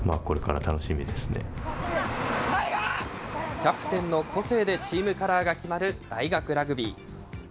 キャプテンの個性でチームカラーが決まる大学ラグビー。